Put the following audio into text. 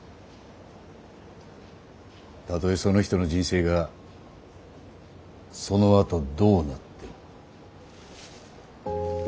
たとえその人の人生がそのあとどうなっても。